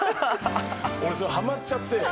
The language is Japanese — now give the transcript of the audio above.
俺それハマっちゃって。